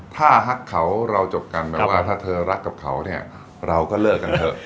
ถ้าฮักเขาเราจบกันแบบว่าถ้าเธอรักกับเขาเนี่ยเราก็เลิกกันเถอะ